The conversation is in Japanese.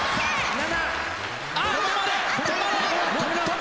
７！